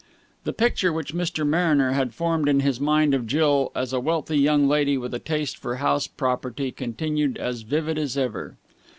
The picture which Mr. Mariner had formed in his mind of Jill as a wealthy young lady with a taste for house property continued as vivid as ever.